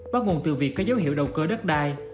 bắt nguồn từ việc có dấu hiệu đầu cơ đất đai